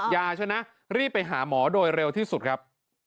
ยาชนะรีบไปหาหมอโดยเร็วที่สุดครับ